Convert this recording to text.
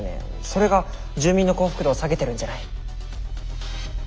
それが住民の幸福度を下げてるんじゃない？